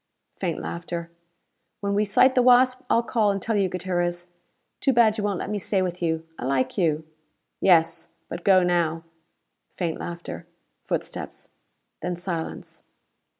Faint laughter. "When we sight the Wasp, I'll call and tell you, Gutierrez. Too bad you won't let me stay with you. I like you." "Yes. But go now!" Faint laughter. Footsteps. Then silence.